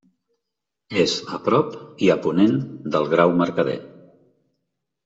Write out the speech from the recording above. És a prop i a ponent del Grau Mercader.